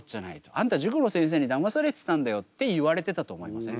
あんた塾の先生にだまされてたんだよって言われてたと思いません？